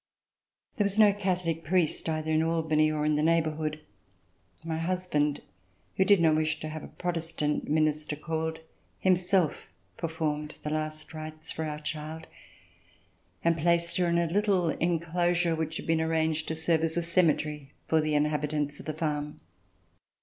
There was no Catholic priest either in Albany or in the neighborhood. My husband, who did not wish to have a Protestant minister called, himself per formed the last rites for our child, and placed her in a little enclosure which had been arranged to serve as a cemetery for the inhabitants of the farm.